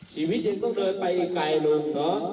ชีวิตยังต้องโดยไปอีกไกลลุง